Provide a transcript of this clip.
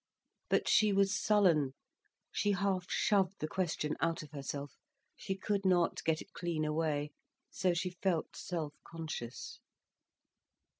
But she was sullen, she half shoved the question out of herself. She could not get it clean away, so she felt self conscious.